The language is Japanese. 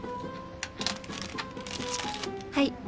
はい。